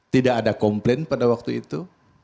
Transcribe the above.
tidak ada komplain pada waktu itu